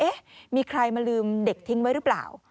เอ๊ะมีใครมาลืมเด็กทิ้งไว้หรือเปล่า